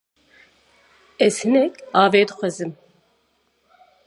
Ez hinek avê dixazim.